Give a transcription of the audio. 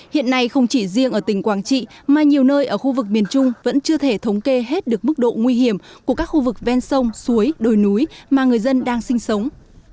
hiện nay không chỉ riêng ở tỉnh quảng trị mà nhiều nơi ở khu vực miền trung vẫn chưa thể thống kê hết được mức độ nguy hiểm của các khu vực ven sông suối đồi núi mà người dân đang sinh sống